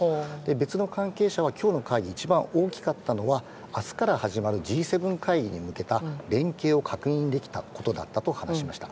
別の関係者は今日の会議で一番大きかったのは明日から始まるＧ７会議に向けた連携を確認できたことだったと話しました。